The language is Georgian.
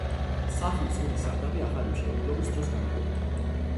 სახლის ძველი სარდაფი ახალი მშენებლობის დროს განადგურდა.